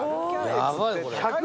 やばいよ